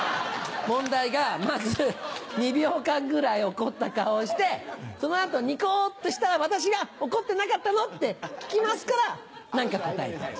問題がまず２秒間ぐらい怒った顔をしてその後ニコっとしたら私が「怒ってなかったの？」って聞きますから何か答えてほしい。